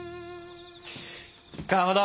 かまど！